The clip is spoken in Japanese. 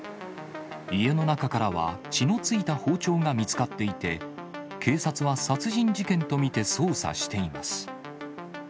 家の中からは血のついた包丁が見つかっていて、警察は殺人事件と見て捜査しています。